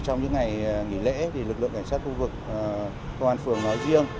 trong những ngày nghỉ lễ lực lượng cảnh sát khu vực thoàn phường nói riêng